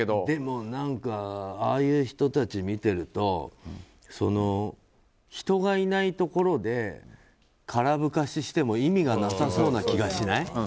でもああいう人たちを見てると人がいないところで空ぶかししても意味がなさそうな気がしない？